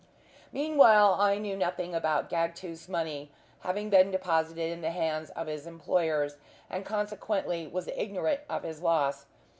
Meanwhile I knew nothing about Gagtooth's money having been deposited in the hands of his employers, and consequently was ignorant of his loss.